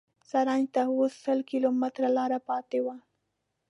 زرنج ته اوس سل کیلومتره لاره پاتې وه.